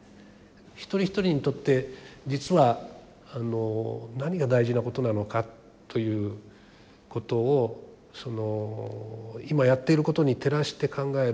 一人一人にとって実は何が大事なことなのかということを今やっていることに照らして考える